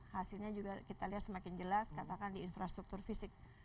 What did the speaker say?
hasilnya juga kita lihat semakin jelas katakan di infrastruktur fisik